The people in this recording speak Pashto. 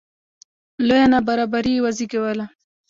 لویه نابرابري یې وزېږوله